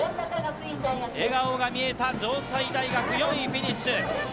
笑顔が見えた城西大学、４位フィニッシュ。